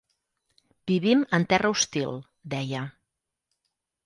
Vivim en terra hostil, deia.